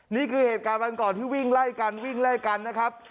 นี่คือเหตุการณ์วันก่อนที่วิ่งไล่กันวิ่งไล่กันนะครับ